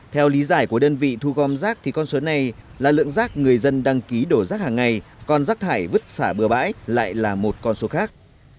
theo lý giải của đơn vị thu gom rác thì con số này là lượng rác người dân đăng ký đổ rác hàng ngày còn rác thải vứt xả bừa bãi lại là một con số khác